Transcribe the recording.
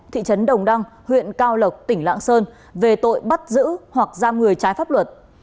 thị trấn đồng đăng huyện cao lộc tỉnh lạng sơn về tội bắt giữ hoặc giam người trái pháp luật